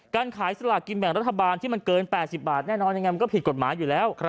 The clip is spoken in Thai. การขายสลากกินแบ่งรัฐบาลที่มันเกิน๘๐บาทแน่นอนยังไงมันก็ผิดกฎหมายอยู่แล้ว